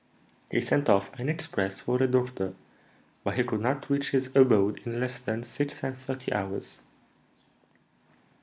He sent off an express for a doctor, but he could not reach his abode in less than six and thirty hours."